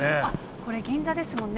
これ、銀座ですもんね。